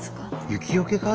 雪よけか？